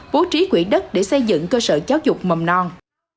bố trí quỹ đất để xây dựng cơ sở giáo dục mầm non